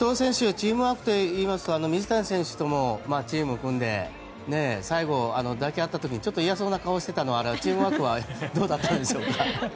チームワークといいますと水谷選手ともチームを組んで最後抱き合った時にちょっと嫌そうな顔をしていたのはチームワークはどうだったんでしょうか？